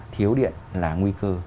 thiếu điện là nguy cơ